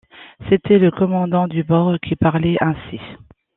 C’était le commandant du bord qui parlait ainsi.